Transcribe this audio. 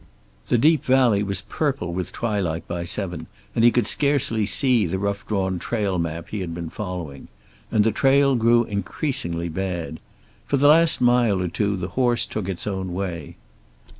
The deep valley was purple with twilight by seven, and he could scarcely see the rough drawn trail map he had been following. And the trail grew increasingly bad. For the last mile or two the horse took its own way.